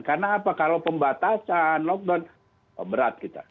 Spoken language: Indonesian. karena apa kalau pembatasan lockdown berat kita